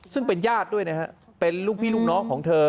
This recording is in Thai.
ซึ่งเป็นญาติด้วยนะฮะเป็นลูกพี่ลูกน้องของเธอ